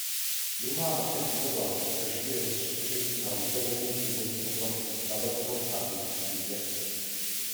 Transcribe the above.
Druhá a třetí oblast vzešly rozšířením a rozdělením původní oblasti Spravedlnost a vnitřní věci.